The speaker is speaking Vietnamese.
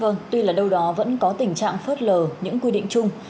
vâng tuy là đâu đó vẫn có tình trạng phớt lờ những quy định chung